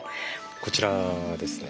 こちらですね。